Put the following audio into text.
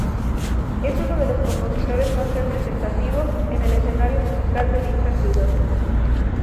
Es uno de los compositores más representativos en el escenario musical de dicha ciudad.